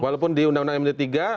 walaupun di undang undang md tiga